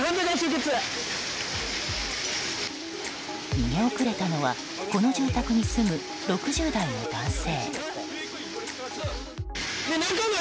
逃げ遅れたのはこの住宅に住む６０代の男性。